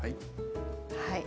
はい。